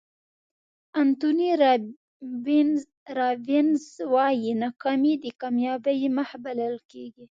انتوني رابینز وایي ناکامي د کامیابۍ مخ بلل کېږي.